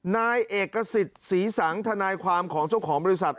นายเอกสิทธิ์ศรีสังธนายความของเจ้าของบริษัท